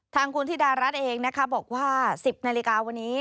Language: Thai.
ทางคุณธิดารัฐเองนะคะบอกว่า๑๐นาฬิกาวันนี้